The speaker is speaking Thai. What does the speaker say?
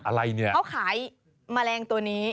อะไรเนี่ยเขาขายแมลงตัวนี้